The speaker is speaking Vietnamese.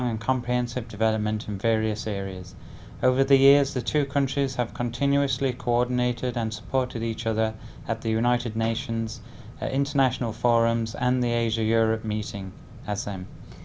xin mời quý vị và các bạn cùng gặp gỡ ông vũ bình nguyên đại sứ đặc mệnh toàn quyền việt nam tại cộng hòa hy lạp